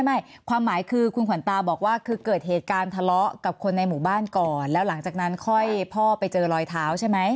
ไม่ความหมายคือคุณขวัญตาบอกว่าคือเกิดเหตุการณ์ทะเลาะกับคนในหมู่บ้านก่อนแล้วหลังจากนั้นค่อยพ่อไปเจอรอยเท้าใช่ไหม